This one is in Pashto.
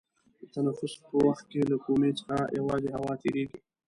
د تنفس په وخت کې له کومي څخه یوازې هوا تیرېږي.